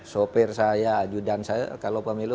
sopir saya ajudan saya kalau pak milo